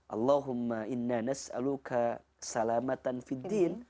allahumma inna nas'aluka salamatan fidin